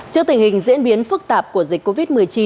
trước tình hình diễn biến phức tạp của dịch covid một mươi chín